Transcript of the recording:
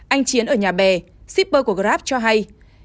anh chiến ở nhà bè shipper của grab cho hay